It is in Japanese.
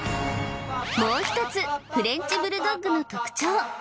もうひとつフレンチ・ブルドッグの特徴